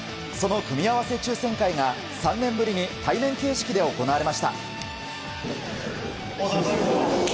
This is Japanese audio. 組み合わせ抽選会が３年ぶりに対面形式で行われました。